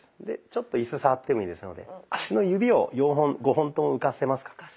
でちょっとイス触ってもいいですので足の指を５本とも浮かせますか？